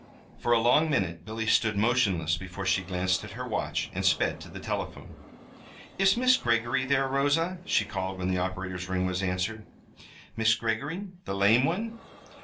For a long minute Billy stood motionless before she glanced at her watch and sped to the telephone. "Is Miss Greggory there, Rosa?" she called when the operator's ring was answered. "Mis' Greggory, the lame one?"